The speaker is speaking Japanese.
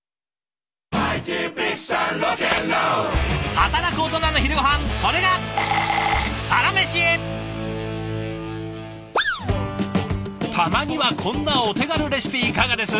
働くオトナの昼ごはんそれがたまにはこんなお手軽レシピいかがです？